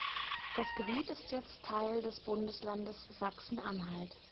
Das Gebiet ist jetzt Teil des Bundeslandes Sachsen-Anhalt.